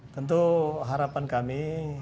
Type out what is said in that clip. tentu harapan kami